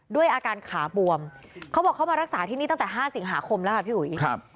ด้วยอาการขาบวมเขาบอกเขามารักษาที่นี่ตั้งแต่๕สิงหาคมแล้วค่ะพี่อุ๋ย